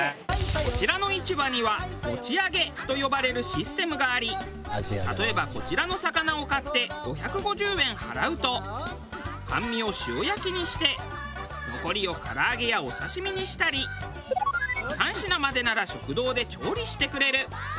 こちらの市場には「持ち上げ」と呼ばれるシステムがあり例えばこちらの魚を買って５５０円払うと半身を塩焼きにして残りを唐揚げやお刺し身にしたり３品までなら食堂で調理してくれる。